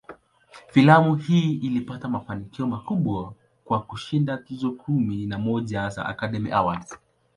Filamu hii ilipata mafanikio makubwa, kwa kushinda tuzo kumi na moja za "Academy Awards".